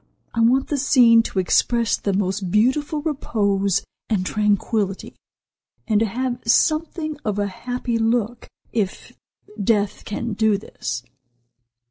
I want the scene to express the most beautiful repose and tranquillity, and to have something of a happy look, if death can do this."